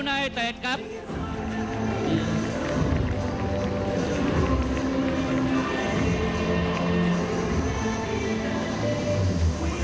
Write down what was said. ท่านแรกครับจันทรุ่ม